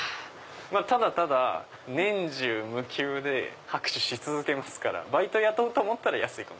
ただただ年中無休で拍手し続けますからバイト雇うと思ったら安いかも。